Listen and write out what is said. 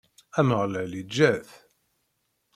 Ameɣlal iǧǧa-t.